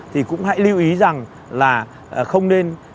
thì cũng hãy lưu ý rằng là không nên